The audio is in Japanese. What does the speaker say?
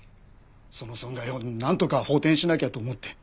その損害をなんとか補填しなきゃと思って。